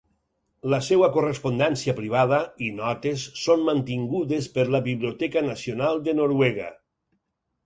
La seva correspondència privada i notes són mantingudes per la Biblioteca Nacional de Noruega.